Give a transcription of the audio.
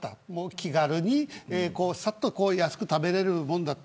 気軽に、さっと安く食べれるもんだった。